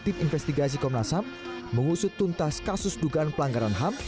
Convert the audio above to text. tim investigasi komnas ham mengusut tuntas kasus dugaan pelanggaran ham